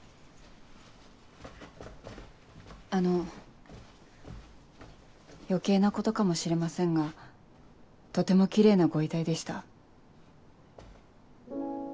あの余計なことかもしれませんがとてもキレイなご遺体でした。